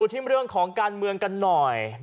ที่เรื่องของการเมืองกันหน่อย